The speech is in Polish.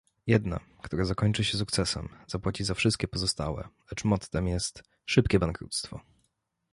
Jedna, która zakończy się sukcesem, zapłaci za wszystkie pozostałe, lecz mottem jest "szybkie bankructwo"